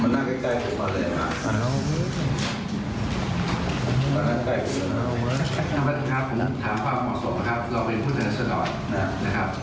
นั่งข้างความเหมาะสมละครับเราเป็นผู้เนินชัดแดด